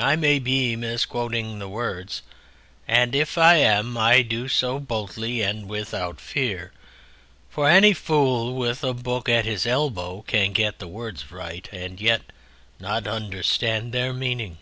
I may be misquoting the words, and if I am I do so boldly and without fear, for any fool with a book at his elbow can get the words right and yet not understand their meaning.